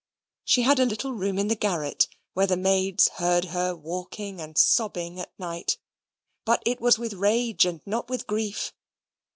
She had a little room in the garret, where the maids heard her walking and sobbing at night; but it was with rage, and not with grief.